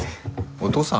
お父さん？